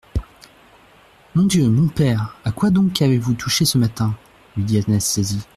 Mon Dieu ! mon père, à quoi donc avez-vous touché ce matin ? lui dit Anastasie.